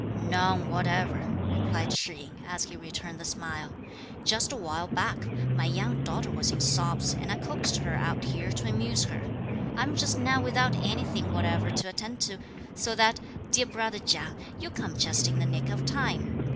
"None whatever," replied Shih yin, as he returned the smile. "Just a while back, my young daughter was in sobs, and I coaxed her out here to amuse her. I am just now without anything whatever to attend to, so that, dear brother Chia, you come just in the nick of time.